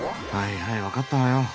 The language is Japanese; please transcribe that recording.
はいはい分かったわよ。